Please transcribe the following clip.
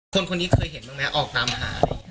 คนคนนี้เคยเห็นบ้างไหมออกตามหา